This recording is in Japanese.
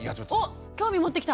おっ興味持ってきた！